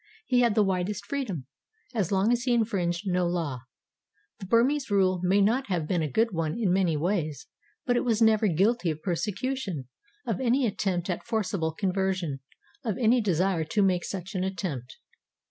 He had the widest freedom, as long as he infringed no law. The Burmese rule may not have been a good one in many ways, but it was never guilty of persecution, of any attempt at forcible conversion, of any desire to make such an attempt.